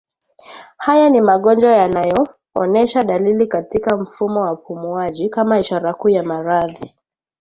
Haya ni magonjwa yanayoonesha dalili katika mfumo wa upumuaji kama ishara kuu ya maradhi